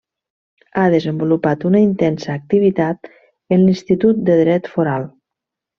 Ha desenvolupat una intensa activitat en l'Institut de Dret Foral.